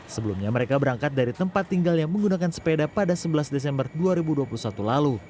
sebelumnya mereka berangkat dari tempat tinggal yang menggunakan sepeda pada sebelas desember dua ribu dua puluh satu lalu